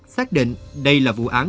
xác định đây là vụ án